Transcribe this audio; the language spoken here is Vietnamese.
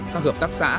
các hợp tác xã